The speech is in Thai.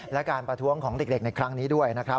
และการประท้วงของเด็กในครั้งนี้ด้วยนะครับ